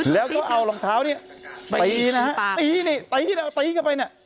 แล้วก็เอารองเท้านี่ตีนะครับตีกลับไป